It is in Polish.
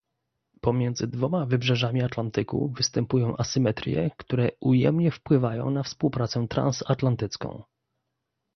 Pomiędzy dwoma wybrzeżami Atlantyku występują asymetrie, które ujemnie wpływają na współpracę transatlantycką